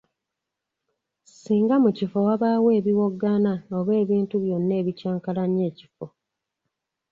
Singa mu kifo wabaawo ebiwoggana oba ebintu byonna ebikyankalanya ekifo.